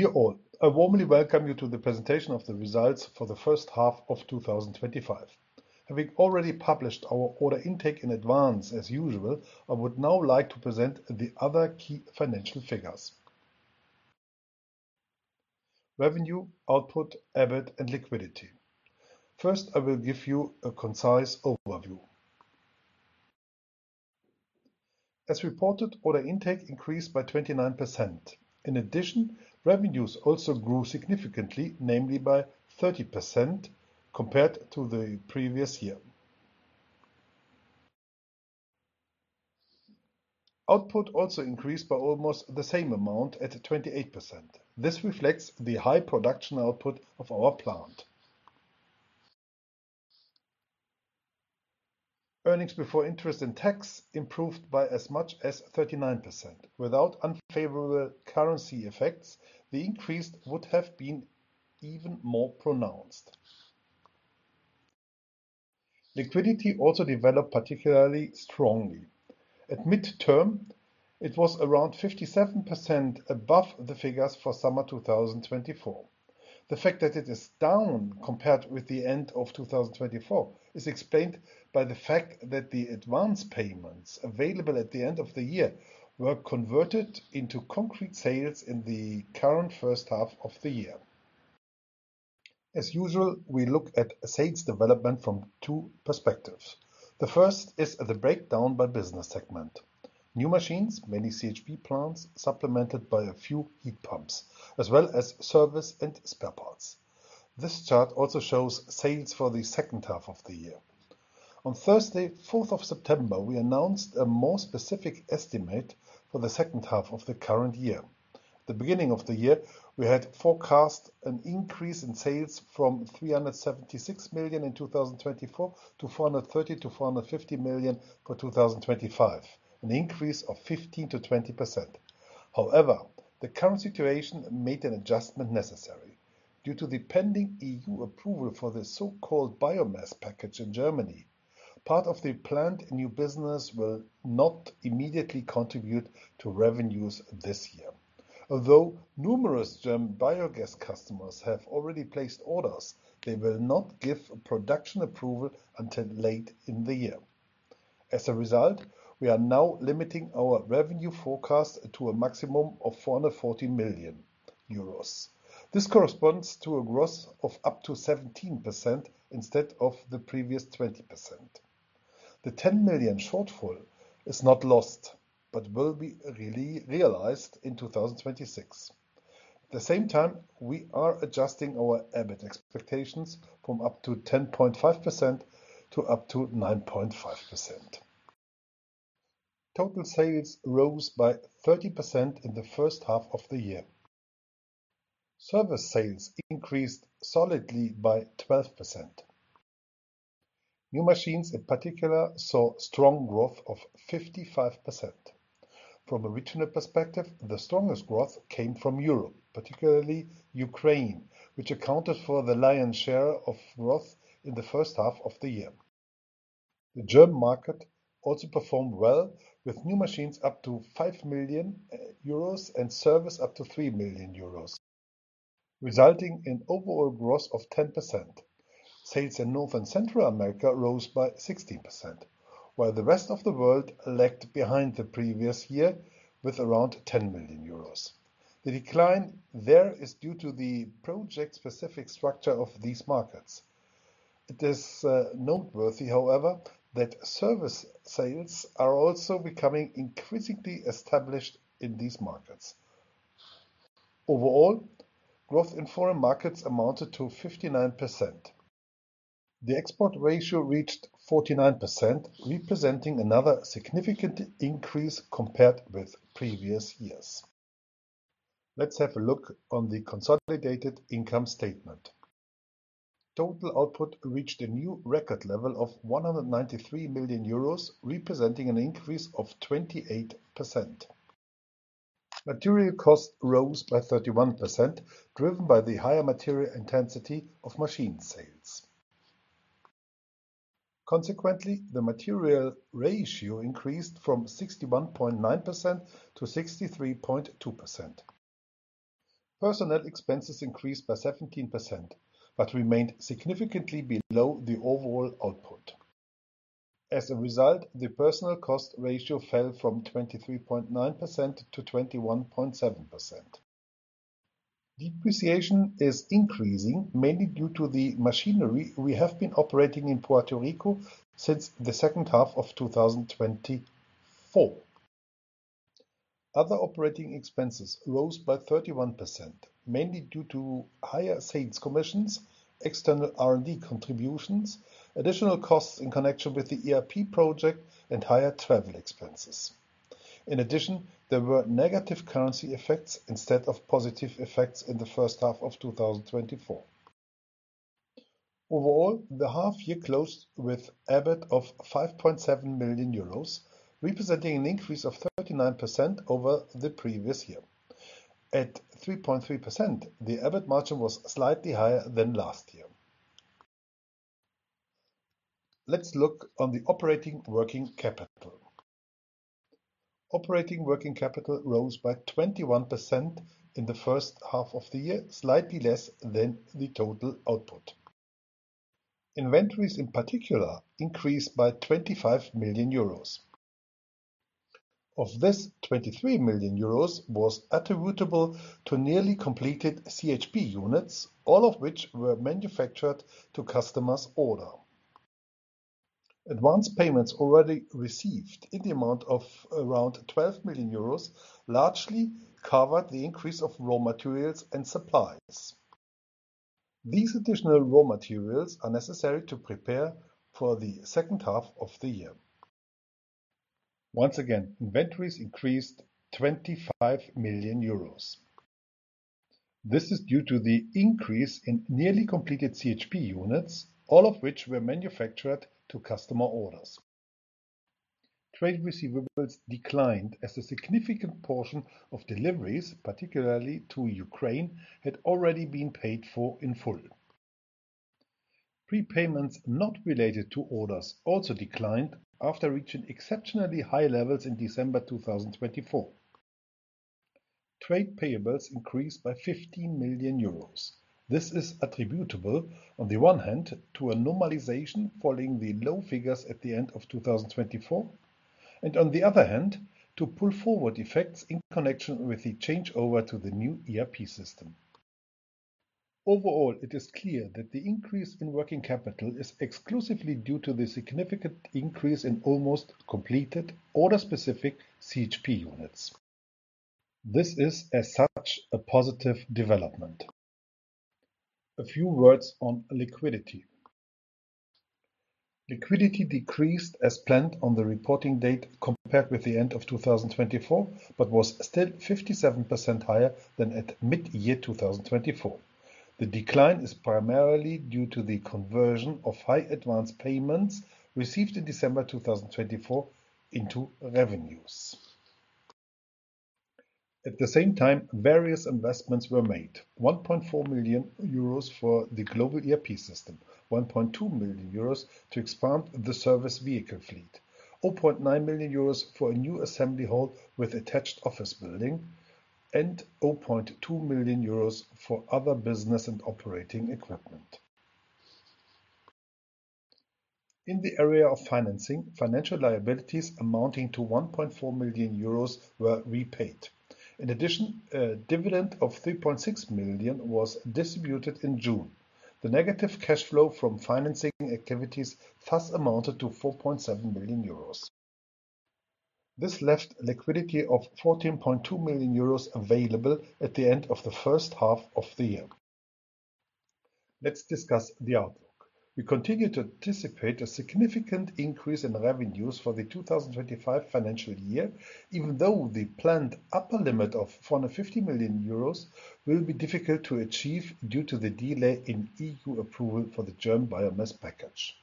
Dear all, I warmly welcome you to the presentation of the results for the first half of 2025. Having already published our order intake in advance, as usual, I would now like to present the other key financial figures. Revenue, output, EBIT, and liquidity. First, I will give you a concise overview. As reported, order intake increased by 29%. In addition, revenues also grew significantly, namely by 30% compared to the previous year. Output also increased by almost the same amount at 28%. This reflects the high production output of our plant. Earnings before interest and taxes improved by as much as 39%. Without unfavorable currency effects, the increase would have been even more pronounced. Liquidity also developed particularly strongly. At midterm, it was around 57% above the figures for the same period in 2024. The fact that it is down compared with the end of 2024 is explained by the fact that the advance payments available at the end of the year were converted into concrete sales in the current first half of the year. As usual, we look at sales development from two perspectives. The first is the breakdown by business segment. New machines, many CHP plants, supplemented by a few heat pumps, as well as service and spare parts. This chart also shows sales for the second half of the year. On Thursday, fourth of September, we announced a more specific estimate for the second half of the current year. At the beginning of the year, we had forecast an increase in sales from 376 million in 2024 to 430 million-450 million for 2025, an increase of 15%-20%. However, the current situation made an adjustment necessary. Due to the pending EU approval for the so-called Biomass Package in Germany, part of the planned new business will not immediately contribute to revenues this year. Although numerous German biogas customers have already placed orders, they will not give production approval until late in the year. As a result, we are now limiting our revenue forecast to a maximum of 440 million euros. This corresponds to a growth of up to 17% instead of the previous 20%. The 10 million shortfall is not lost, but will be really realized in 2026. At the same time, we are adjusting our EBIT expectations from up to 10.5% to up to 9.5%. Total sales rose by 30% in the first half of the year. Service sales increased solidly by 12%. New machines, in particular, saw strong growth of 55%. From a regional perspective, the strongest growth came from Europe, particularly Ukraine, which accounted for the lion's share of growth in the first half of the year. The German market also performed well, with new machines up to 5 million euros and service up to 3 million euros, resulting in overall growth of 10%. Sales in North and Central America rose by 16%, while the rest of the world lagged behind the previous year with around 10 million euros. The decline there is due to the project-specific structure of these markets. It is noteworthy, however, that service sales are also becoming increasingly established in these markets. Overall, growth in foreign markets amounted to 59%. The export ratio reached 49%, representing another significant increase compared with previous years. Let's have a look on the consolidated income statement. Total output reached a new record level of 193 million euros, representing an increase of 28%. Material cost rose by 31%, driven by the higher material intensity of machine sales. Consequently, the material ratio increased from 61.9% to 63.2%. Personnel expenses increased by 17%, but remained significantly below the overall output. As a result, the personnel cost ratio fell from 23.9% to 21.7%. Depreciation is increasing, mainly due to the machinery we have been operating in Puerto Rico since the second half of 2024. Other operating expenses rose by 31%, mainly due to higher sales commissions, external R&D contributions, additional costs in connection with the ERP project, and higher travel expenses. In addition, there were negative currency effects instead of positive effects in the first half of 2024. Overall, the half year closed with EBIT of 5.7 million euros, representing an increase of 39% over the previous year. At 3.3%, the EBIT margin was slightly higher than last year. Let's look on the operating working capital. Operating working capital rose by 21% in the first half of the year, slightly less than the total output. Inventories, in particular, increased by 25 million euros. Of this, 23 million euros was attributable to nearly completed CHP units, all of which were manufactured to customer's order. Advance payments already received in the amount of around 12 million euros largely covered the increase of raw materials and supplies. These additional raw materials are necessary to prepare for the second half of the year. Once again, inventories increased 25 million euros. This is due to the increase in nearly completed CHP units, all of which were manufactured to customer orders. Trade receivables declined as a significant portion of deliveries, particularly to Ukraine, had already been paid for in full. Prepayments not related to orders also declined after reaching exceptionally high levels in December 2024. Trade payables increased by 15 million euros. This is attributable, on the one hand, to a normalization following the low figures at the end of 2024, and on the other hand, to pull forward effects in connection with the changeover to the new ERP system. Overall, it is clear that the increase in working capital is exclusively due to the significant increase in almost completed order-specific CHP units. This is, as such, a positive development. A few words on liquidity. Liquidity decreased as planned on the reporting date compared with the end of 2024, but was still 57% higher than at mid-year 2024. The decline is primarily due to the conversion of high advance payments received in December 2024 into revenues. At the same time, various investments were made: 1.4 million euros for the global ERP system, 1.2 million euros to expand the service vehicle fleet, 0.9 million euros for a new assembly hall with attached office building, and 0.2 million euros for other business and operating equipment. In the area of financing, financial liabilities amounting to 1.4 million euros were repaid. In addition, a dividend of 3.6 million was distributed in June. The negative cash flow from financing activities thus amounted to 4.7 million euros. This left liquidity of 14.2 million euros available at the end of the first half of the year. Let's discuss the outlook. We continue to anticipate a significant increase in revenues for the 2025 financial year, even though the planned upper limit of 450 million euros will be difficult to achieve due to the delay in EU approval for the German Biomass Package.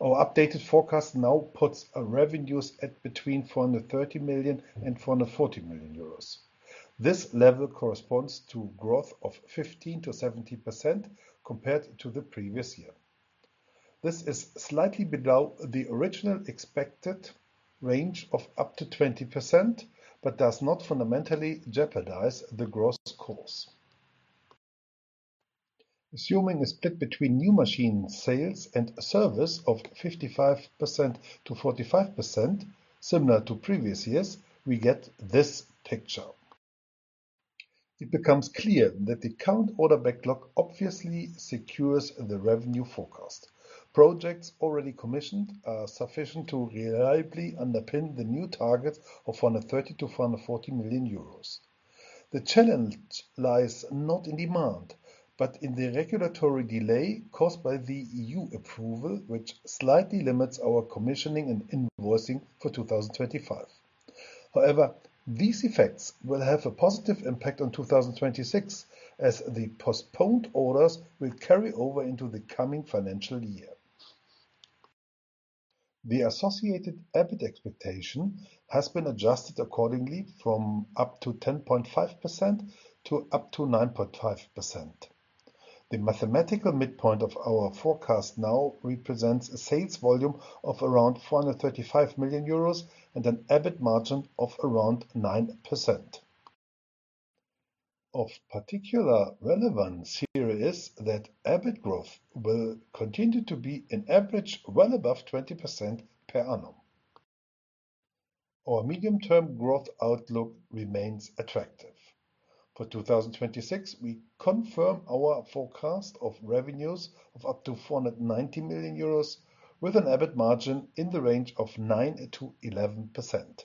Our updated forecast now puts our revenues at between 430 million and 440 million euros. This level corresponds to growth of 15%-17% compared to the previous year. This is slightly below the original expected range of up to 20%, but does not fundamentally jeopardize the growth course. Assuming a split between new machine sales and service of 55%-45%, similar to previous years, we get this picture. It becomes clear that the current order backlog obviously secures the revenue forecast. Projects already commissioned are sufficient to reliably underpin the new target of 430 million-440 million euros. The challenge lies not in demand, but in the regulatory delay caused by the EU approval, which slightly limits our commissioning and invoicing for 2025. However, these effects will have a positive impact on 2026, as the postponed orders will carry over into the coming financial year. The associated EBIT expectation has been adjusted accordingly from up to 10.5% to up to 9.5%. The mathematical midpoint of our forecast now represents a sales volume of around 435 million euros and an EBIT margin of around 9%. Of particular relevance here is that EBIT growth will continue to be an average well above 20% per annum. Our medium-term growth outlook remains attractive. For 2026, we confirm our forecast of revenues of up to 490 million euros, with an EBIT margin in the range of 9%-11%.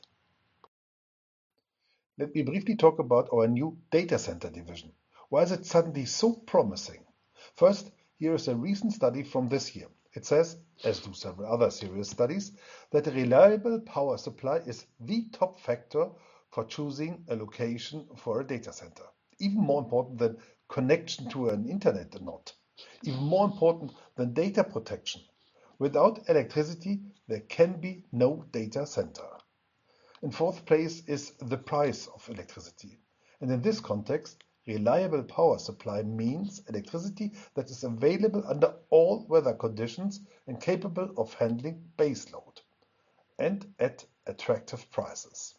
Let me briefly talk about our new data center division. Why is it suddenly so promising? First, here is a recent study from this year. It says, as do several other serious studies, that a reliable power supply is the top factor for choosing a location for a data center, even more important than connection to an internet node, even more important than data protection. Without electricity, there can be no data center. In fourth place is the price of electricity, and in this context, reliable power supply means electricity that is available under all weather conditions and capable of handling base load and at attractive prices.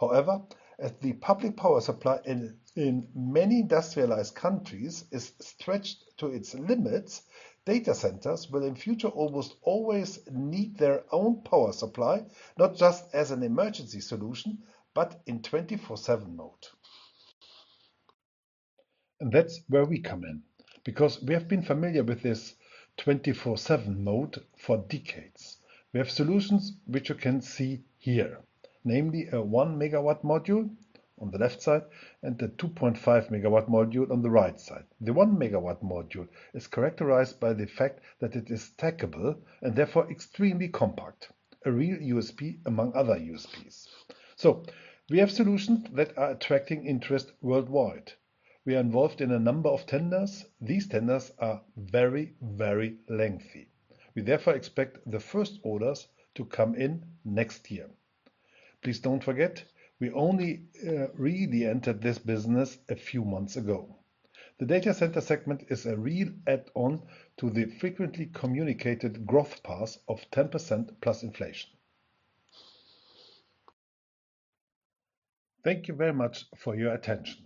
However, as the public power supply in many industrialized countries is stretched to its limits, data centers will in future almost always need their own power supply, not just as an emergency solution, but in 24/7 mode. And that's where we come in, because we have been familiar with this 24/7 mode for decades. We have solutions which you can see here, namely a 1 MW module on the left side and a 2.5 MW module on the right side. The 1 MW module is characterized by the fact that it is stackable and therefore extremely compact, a real USP among other USPs. So we have solutions that are attracting interest worldwide. We are involved in a number of tenders. These tenders are very, very lengthy. We therefore expect the first orders to come in next year. Please don't forget, we only reentered this business a few months ago. The data center segment is a real add-on to the frequently communicated growth path of 10% plus inflation. Thank you very much for your attention.